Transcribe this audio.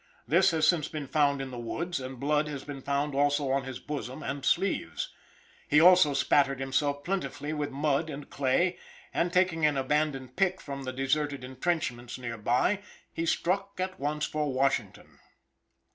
This has since been found in the woods, and blood has been found also on his bosom and sleeves. He also spattered himself plentifully with mud and clay, and, taking an abandoned pick from the deserted intrenchments near by, he struck at once for Washington.